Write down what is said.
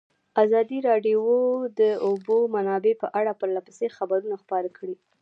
ازادي راډیو د د اوبو منابع په اړه پرله پسې خبرونه خپاره کړي.